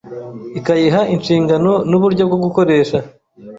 ikayiha inshingano n uburyo bwo gukoresha